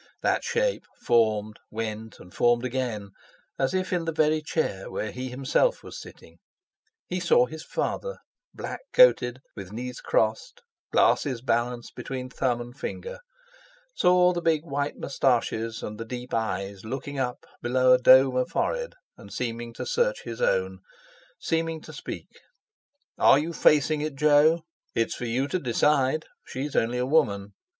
That shape formed, went, and formed again; as if in the very chair where he himself was sitting, he saw his father, black coated, with knees crossed, glasses balanced between thumb and finger; saw the big white moustaches, and the deep eyes looking up below a dome of forehead and seeming to search his own, seeming to speak. "Are you facing it, Jo? It's for you to decide. She's only a woman!"